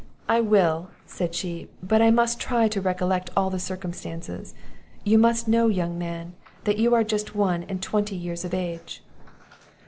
"I will," said she; "but I must try to recollect all the circumstances. You must know, young man, that you are just one and twenty years of age."